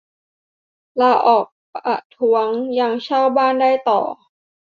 ลาออกประท้วง ยังเช่าบ้านได้ต่อ